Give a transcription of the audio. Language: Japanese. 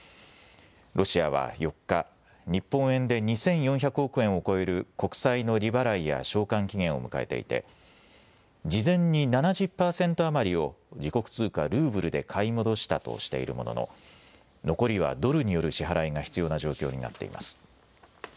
ロシアは４日、日本円で２４００億円を超える国債の利払いや償還期限を迎えていて、事前に７０％余りを自国通貨ルーブルで買い戻したとしているものの残りはドルによる支払いが必要な状況になっています。